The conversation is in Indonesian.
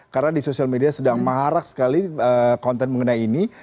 karena di sosial media sedang marak sekali konten mengenai ini